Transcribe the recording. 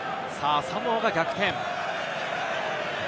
サモアが逆転。